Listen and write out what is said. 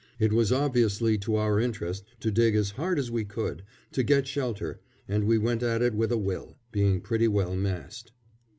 It was obviously to our interest to dig as hard as we could, to get shelter, and we went at it with a will, being pretty well massed.